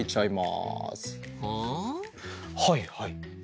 はいはい。